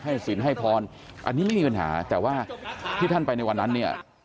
สินให้พรอันนี้ไม่มีปัญหาแต่ว่าที่ท่านไปในวันนั้นเนี่ย